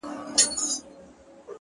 لمن كي مي د سپينو ملغلرو كور ودان دى ـ